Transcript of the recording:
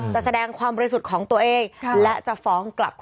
แสดงความบริสุทธิ์ของตัวเองและจะฟ้องกลับ